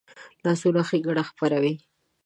لاسونه ښېګڼه خپروي